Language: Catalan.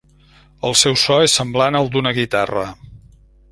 El seu so és semblant al d'una guitarra.